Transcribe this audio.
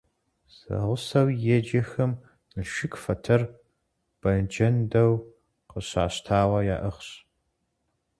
Зэгъусэу еджэхэм Налшык фэтэр бэджэндэу къыщащтауэ яӏыгъщ.